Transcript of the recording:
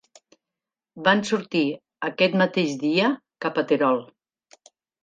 Van sortir aquest mateix dia cap a Terol.